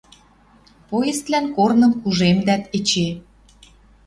Поездлӓн корным кужемдӓт эче.